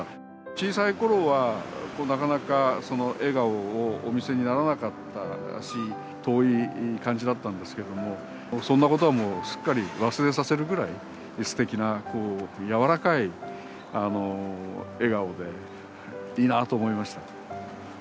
小さいころは、なかなか笑顔をお見せにならなかったし、遠い感じだったんですけれども、そんなことはもうすっかり忘れさせるぐらい、すてきな、柔らかい笑顔でいいなと思いました。